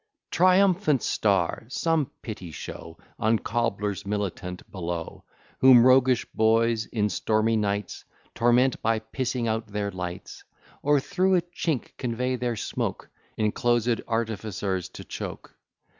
Triumphant star! some pity show On cobblers militant below, Whom roguish boys, in stormy nights, Torment by pissing out their lights, Or through a chink convey their smoke, Enclosed artificers to choke.